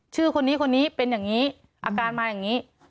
ชื่อคนนี้คนนี้เป็นอย่างนี้อาการมาอย่างนี้